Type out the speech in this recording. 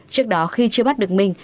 trước đó khi chưa bắt được minh